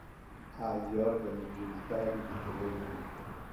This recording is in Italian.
Ha gli organi genitali di colore blu.